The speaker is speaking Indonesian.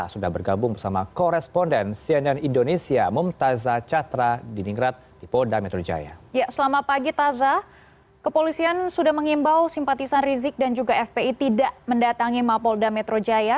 pembalai islam rizik syihab kongbes yusri yunus mengimbau simpatisan rizik dan fpi tidak mendatangi mapolda metro jaya